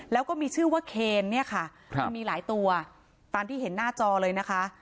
แล้วก็มีชื่อว่าเคนเนี่ยค่ะมันมีหลายตัวตามที่เห็นหน้าจอเลยนะคะ